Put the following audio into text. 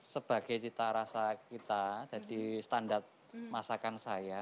sebagai cita rasa kita jadi standar masakan saya